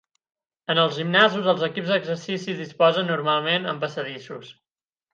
En els gimnasos, els equips d'exercici es disposen normalment en passadissos.